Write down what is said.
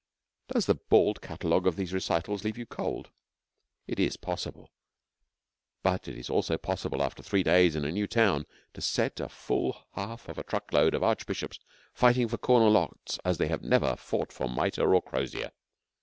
Does the bald catalogue of these recitals leave you cold? It is possible; but it is also possible after three days in a new town to set the full half of a truck load of archbishops fighting for corner lots as they never fought for mitre or crozier.